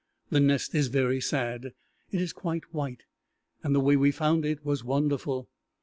The nest is very sad. It is quite white, and the way we found it was wonderful.